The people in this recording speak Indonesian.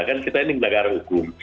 kan kita ini negara hukum